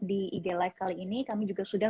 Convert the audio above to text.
di idealife kali ini kami juga sudah